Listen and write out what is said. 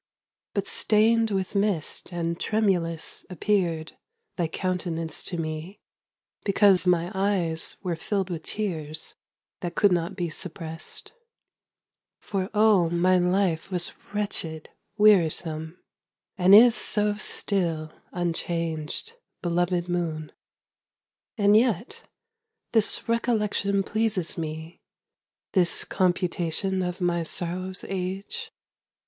But stained with mist, and tremulous, appeared Thy countenance to me, because my eyes Were filled with tears, that could not be suppressed; For, oh, my life was wretched, wearisome, And is so still, unchanged, belovèd moon! And yet this recollection pleases me, This computation of my sorrow's age.